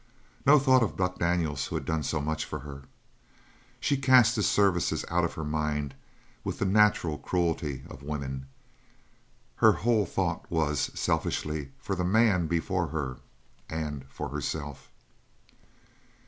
No thought of Buck Daniels who had done so much for her. She cast his services out of her mind with the natural cruelty of woman. Her whole thought was, selfishly, for the man before her, and for herself.